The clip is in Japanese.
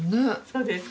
そうですか？